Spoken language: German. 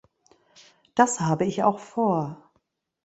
Das habe ich auch vor.